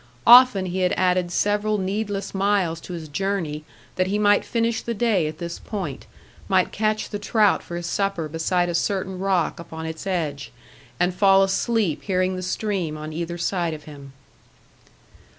Often he had added several needless miles to his journey that he might finish the day at this point, might catch the trout for his supper beside a certain rock upon its edge, and fall asleep hearing the stream on either side of him.